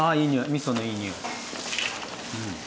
みそのいい匂い。